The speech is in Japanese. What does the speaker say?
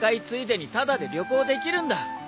ついでにタダで旅行できるんだ。